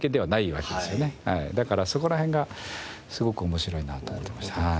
だからそこら辺がすごく面白いなと思ってました。